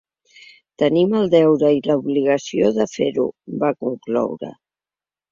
Tenim el deure i l’obligació de fer-ho, va concloure.